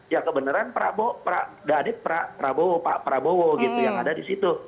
ya kebenaran prabo pra dadik pra prabowo pak prabowo gitu yang ada di situ